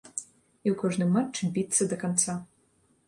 І ў кожным матчы біцца да канца.